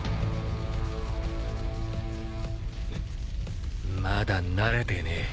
まだ慣れてねえ。